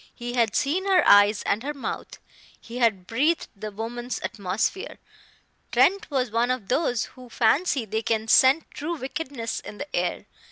He had seen her eyes and her mouth; he had breathed the woman's atmosphere. Trent was one of those who fancy they can scent true wickedness in the air.